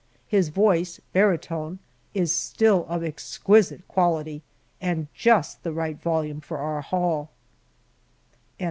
His voice (barytone) is still of exquisite quality, and just the right volume for our hall.